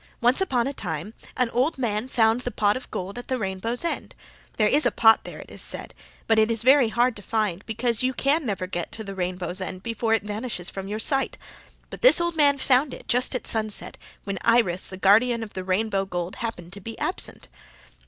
"Once upon a time an old man found the pot of gold at the rainbow's end. There IS a pot there, it is said, but it is very hard to find because you can never get to the rainbow's end before it vanishes from your sight. But this old man found it, just at sunset, when Iris, the guardian of the rainbow gold, happened to be absent.